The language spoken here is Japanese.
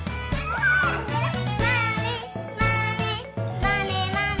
「まねまねまねまね」